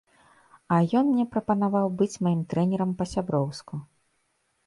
А ён мне прапанаваў быць маім трэнерам па-сяброўску.